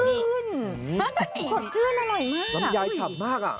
อะไรนะลินจี่ครับ